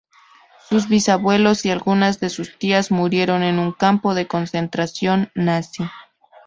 Sus bisabuelos y algunas de sus tías murieron en un campo de concentración nazi.